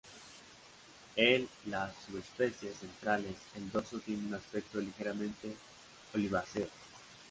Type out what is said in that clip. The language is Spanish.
El las subespecies centrales el dorso tiene un aspecto ligeramente oliváceo.